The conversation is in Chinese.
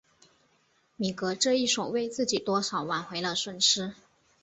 米格这一手为自己多少挽回了损失。